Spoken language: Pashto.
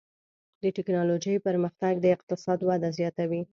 د ټکنالوجۍ پرمختګ د اقتصاد وده زیاتوي.